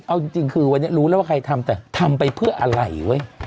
เอาจริงคือวันนี้รู้แล้วว่าใครทำแต่ทำไปเพื่ออะไรเว้ย